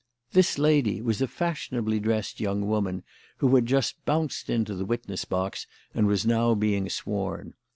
"This lady" was a fashionably dressed young woman who had just bounced into the witness box and was now being sworn.